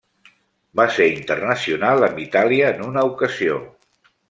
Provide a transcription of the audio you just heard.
Va ser internacional amb Itàlia en una ocasió.